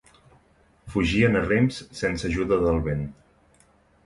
Fugien a rems sense ajuda del vent.